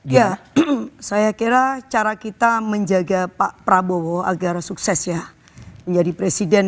ya saya kira cara kita menjaga pak prabowo agar sukses ya menjadi presiden